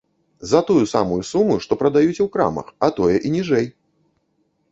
За тую самую суму, што прадаюць у крамах, а тое і ніжэй!